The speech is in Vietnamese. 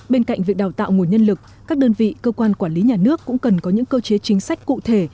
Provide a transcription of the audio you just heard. bên cạnh việc đào tạo nguồn nhân lực các đơn vị cơ quan quản lý nhà nước cũng cần có những cơ chế chính sách cụ thể